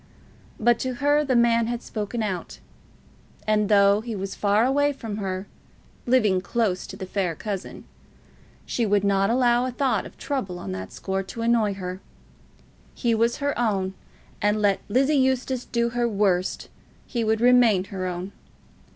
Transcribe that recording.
But to her the man had spoken out; and though he was far away from her, living close to the fair cousin, she would not allow a thought of trouble on that score to annoy her. He was her own, and let Lizzie Eustace do her worst, he would remain her own.